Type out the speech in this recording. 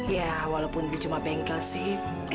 ya walaupun dia cuma bengkel sih